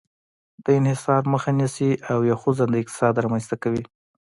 د انحصار مخه نیسي او یو خوځنده اقتصاد رامنځته کوي.